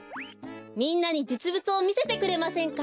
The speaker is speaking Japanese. みんなにじつぶつをみせてくれませんか？